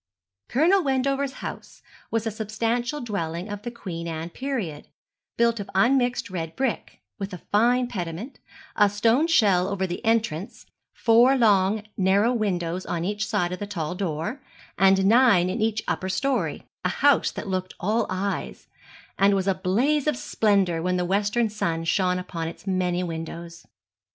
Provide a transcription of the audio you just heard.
Colonel Wendover's house was a substantial dwelling of the Queen Anne period, built of unmixed red brick, with a fine pediment, a stone shell over the entrance, four long narrow windows on each side of the tall door, and nine in each upper story, a house that looked all eyes, and was a blaze of splendour when the western sun shone upon its many windows.